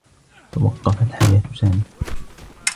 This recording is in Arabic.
توقّفت حياة سامي.